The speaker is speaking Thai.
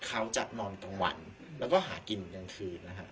เขาจะนอนกลางวันแล้วก็หากินกลางคืนนะครับ